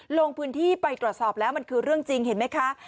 ลงพื้นที่ไปตรวจสอบแล้วมันคือเรื่องจริงเห็นไหมคะ